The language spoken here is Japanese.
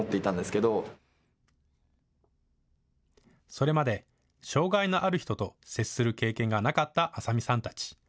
それまで障害のある人と接する経験がなかった浅見さんたち。